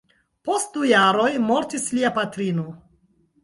Post du jaroj mortis lia patrino.